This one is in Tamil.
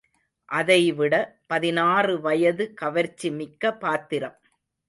அதைவிட பதினாறு வயது கவர்ச்சி மிக்க பாத்திரம்.